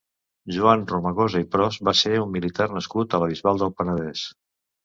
Joan Romagosa i Pros va ser un militar nascut a la Bisbal del Penedès.